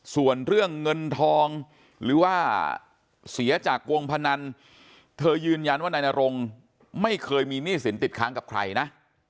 ส่วนเรื่องเงินทองหรือว่าเสียจากวงพนันเธอยืนยันว่านายนรงไม่เคยมีหนี้สินติดค้างกับใครนะ